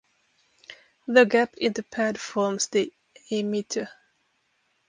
The gap in the pad forms the emitter.